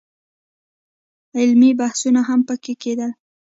علمي بحثونه هم په کې کېدل.